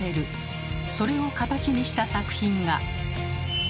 それを形にした作品が。